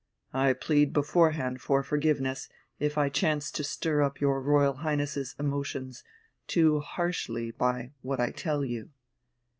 I plead beforehand for forgiveness, if I chance to stir up your Royal Highness's emotions too harshly by what I tell you."